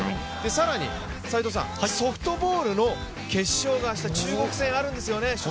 更にソフトボールの決勝が明日、中国戦あるんですよね。